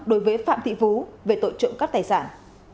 đối với phạm thị phú về tội trụng các tài sản